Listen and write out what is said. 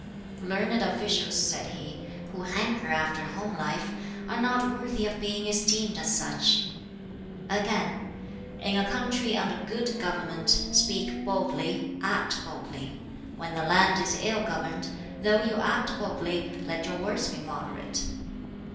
"Learned officials," said he, "who hanker after a home life, are not worthy of being esteemed as such." Again, "In a country under good government, speak boldly, act boldly. When the land is ill governed, though you act boldly, let your words be moderate."